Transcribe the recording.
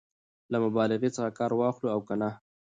له مبالغې څخه کار واخلو او که نه؟